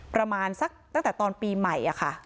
ประมาณสักตั้งแต่ตอนปีใหม่ค่ะ